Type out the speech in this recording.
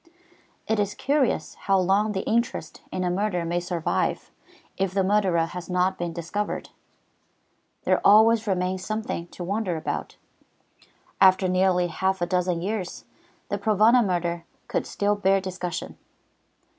It is curious how long the interest in a murder may survive if the murderer has not been discovered. There always remains something to wonder about. After nearly half a dozen years the Provana murder could still bear discussion.